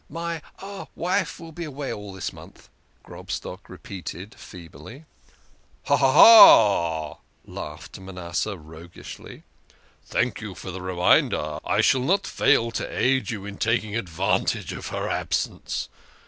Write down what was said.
" My wife will be away all this month," Grobstock re peated feebly. " Ha ! ha ! ha !" laughed Manasseh roguishly. " Thank you for the reminder. I shall not fail to aid you in taking advantage of her absence.